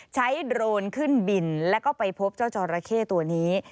โดรนขึ้นบินแล้วก็ไปพบเจ้าจอราเข้ตัวนี้